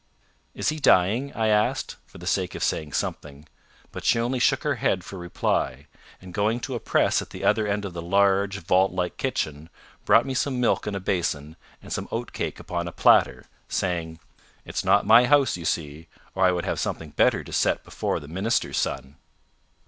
"Is he dying?" I asked, for the sake of saying something; but she only shook her head for reply, and, going to a press at the other end of the large, vault like kitchen, brought me some milk in a basin, and some oatcake upon a platter, saying, "It's not my house, you see, or I would have something better to set before the minister's son."